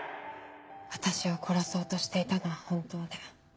私を殺そうとしていたのは本当で。